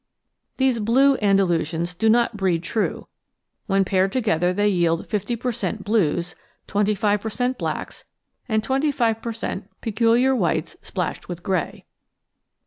These "blue" Andalusians do not breed true; when paired together they yield 50 per cent, "blues," 25 per cent, blacks, and 25 per cent, peculiar whites splashed with grey.